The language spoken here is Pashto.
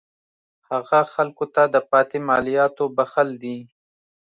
هغه خلکو ته د پاتې مالیاتو بخښل دي.